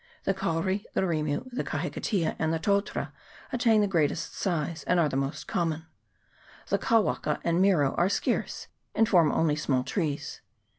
The kauri, the rirnu, the kahikatea, and the totara attain the greatest size, and are the most common ; the kawaka and miro are scarce, and form only small trees.